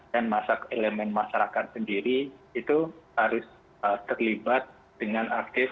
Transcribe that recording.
dan elemen masyarakat sendiri itu harus terlibat dengan aktif